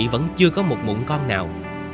vẫn chưa có một mụn con nào